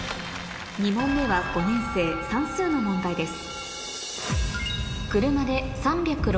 ２問目は５年生算数の問題です